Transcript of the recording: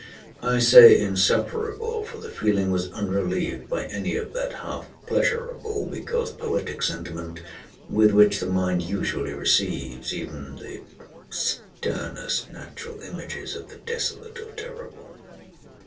I say insufferable; for the feeling was unrelieved by any of that half pleasurable, because poetic, sentiment, with which the mind usually receives even the sternest natural images of the desolate or terrible.